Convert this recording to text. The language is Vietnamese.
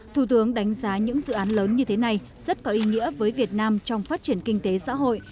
thủ tướng đánh giá những dự án lớn như thế này rất có ý nghĩa với việt nam trong phát triển kinh tế xã hội